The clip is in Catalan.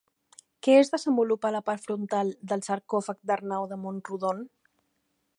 Què es desenvolupa a la part frontal del sarcòfag d'Arnau de Mont-rodon?